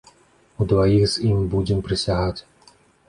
Удваіх з ім будзем прысягаць!